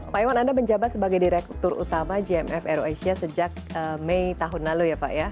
pak iwan anda menjabat sebagai direktur utama gmf air asia sejak mei tahun lalu ya pak ya